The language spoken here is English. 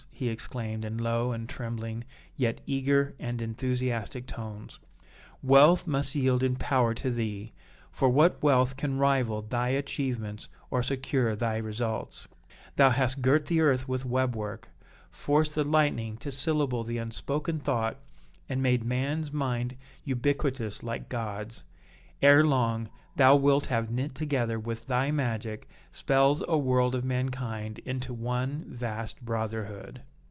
he exclaimed in low and trembling, yet eager and enthusiastic tones. "Wealth must yield in power to thee, for what wealth can rival thy achievements or secure thy results? Thou hast girt the earth with web work, forced the lightning to syllable the unspoken thought and made man's mind ubiquitous like God's; ere long, thou wilt have knit together with thy magic spells a world of mankind into one vast brotherhood!"